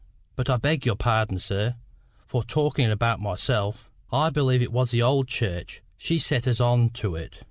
But I beg your pardon, sir, for talkin' about myself. I believe it was the old church she set us on to it."